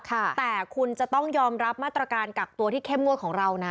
แต่คุณจะต้องยอมรับมาตรการกักตัวที่เข้มงวดของเรานะ